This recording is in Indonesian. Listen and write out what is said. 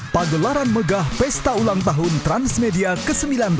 pagelaran megah pesta ulang tahun transmedia ke sembilan belas